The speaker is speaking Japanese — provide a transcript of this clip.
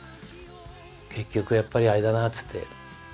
「結局やっぱりあれだな」つって。